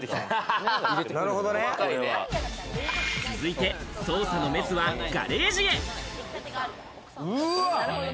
続いて捜査のメスはガレージへ。